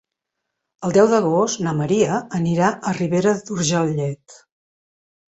El deu d'agost na Maria anirà a Ribera d'Urgellet.